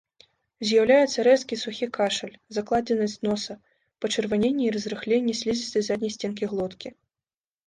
З'яўляецца рэзкі сухі кашаль, закладзенасць носа, пачырваненне і разрыхленне слізістай задняй сценкі глоткі.